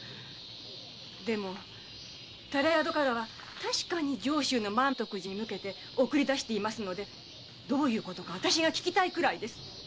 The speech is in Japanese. でも寺宿からは確かに満徳寺に向けて送り出していますのでどういうことか私が訊きたいくらいです。